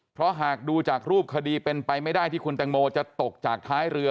เพราะหากดูจากรูปคดีเป็นไปไม่ได้ที่คุณแตงโมจะตกจากท้ายเรือ